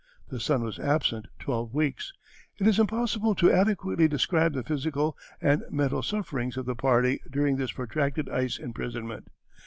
The sun was absent twelve weeks. It is impossible to adequately describe the physical and mental sufferings of the party during this protracted ice imprisonment.